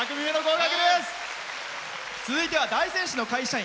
続いては大仙市の会社員。